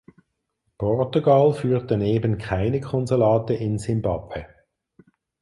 Portugal führt daneben keine Konsulate in Simbabwe.